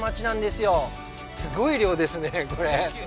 すごい量ですね、これ。